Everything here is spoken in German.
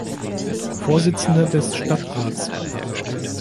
Vorsitzende des Stadtrats